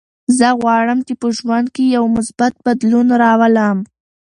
زه غواړم چې په ژوند کې یو مثبت بدلون راولم.